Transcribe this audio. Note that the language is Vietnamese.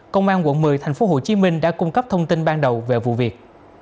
công an quận một mươi thành phố hồ chí minh đã cung cấp thông tin ban đầu về vụ việc